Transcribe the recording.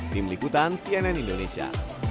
tim liputan cnn indonesia